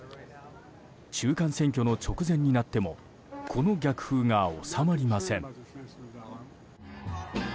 中間選挙の直前になってもこの逆風が収まりません。